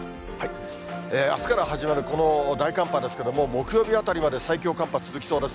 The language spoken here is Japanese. あすから始まるこの大寒波ですけれども、木曜日あたりまで最強寒波続きそうです。